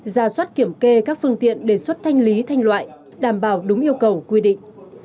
ra soát kiểm kê các phương tiện đề xuất thanh lý thanh loại đảm bảo đúng yêu cầu quy định